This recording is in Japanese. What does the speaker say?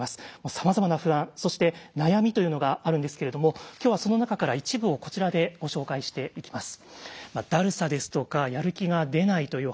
さまざまな不安そして悩みというのがあるんですけれども今日はその中から一部をこちらでご紹介していきます。